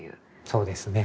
そうですね。